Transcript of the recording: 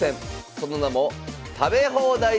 その名も「食べ放題将棋」。